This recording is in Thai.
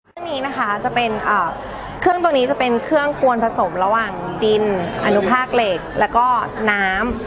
เรื่องนี้นะคะจะเป็นเครื่องตัวนี้จะเป็นเครื่องกวนผสมระหว่างดินอนุภาคเหล็กแล้วก็น้ำ